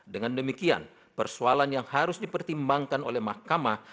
dengan demikian persoalan yang harus dipertimbangkan oleh mahkamah